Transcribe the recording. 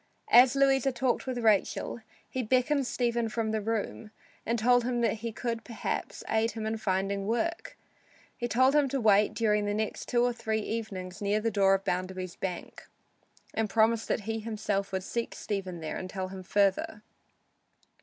As Louisa talked with Rachel, he beckoned Stephen from the room and told him that he could perhaps aid him in finding work. He told him to wait during the next two or three evenings near the door of Bounderby's bank, and promised that he himself would seek Stephen there and tell him further.